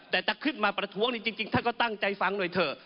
แต่ถ้าขึ้นมาประท้วงจริงท่านก็ตั้งใจฟังหน่อยเถอะ